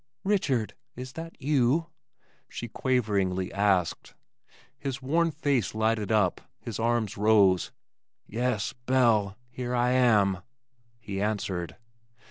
"Richard, is that you?" she quaveringly asked. His worn face lighted up. His arms rose. "Yes, Belle! Here I am," he answered.